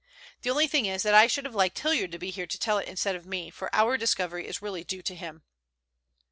The only thing is that I should have liked Hilliard to be here to tell it instead of me, for our discovery is really due to him."